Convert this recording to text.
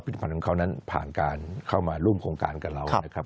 ธภัณฑ์ของเขานั้นผ่านการเข้ามาร่วมโครงการกับเรานะครับ